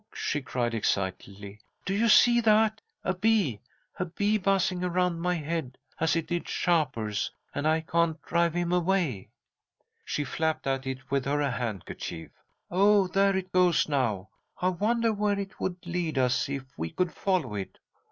she cried, excitedly. "Do you see that? A bee! A bee buzzing around my head, as it did Shapur's, and I can't drive him away!" She flapped at it with her handkerchief. "Oh, there it goes now. I wonder where it would lead us if we could follow it?"